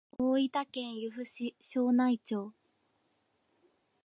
大分県由布市庄内町